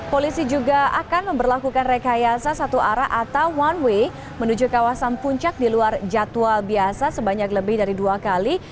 polisi juga akan memperlakukan rekayasa satu arah atau one way menuju kawasan puncak di luar jadwal biasa sebanyak lebih dari dua kali